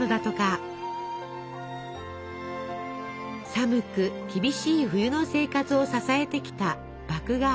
寒く厳しい冬の生活を支えてきた麦芽あめ。